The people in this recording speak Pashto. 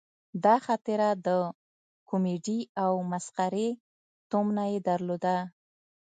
دا خاطره د کومیډي او مسخرې تومنه یې درلوده.